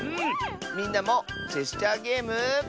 みんなもジェスチャーゲーム。